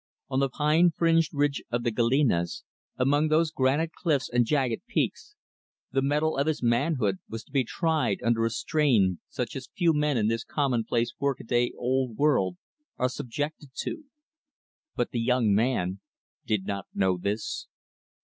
On the pine fringed ridge of the Galenas, among those granite cliffs and jagged peaks, the mettle of his manhood was to be tried under a strain such as few men in this commonplace work a day old world are subjected to. But the young man did not know this.